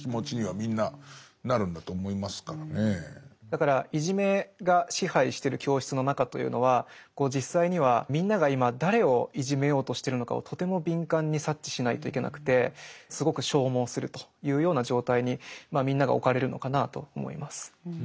だからいじめが支配してる教室の中というのは実際にはみんなが今誰をいじめようとしてるのかをとても敏感に察知しないといけなくてすごく消耗するというような状態にみんなが置かれるのかなと思います。